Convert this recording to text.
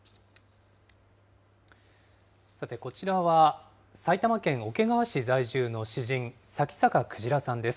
さて、こちらは、埼玉県桶川市在住の詩人、向坂くじらさんです。